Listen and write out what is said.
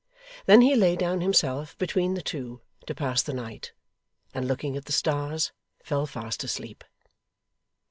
Then he lay down himself, between the two, to pass the night; and looking at the stars, fell fast asleep.